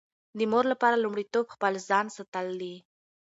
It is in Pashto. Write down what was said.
د مور لپاره لومړیتوب خپل ځان ساتل دي.